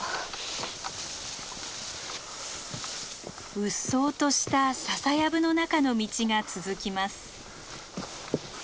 うっそうとしたささやぶの中の道が続きます。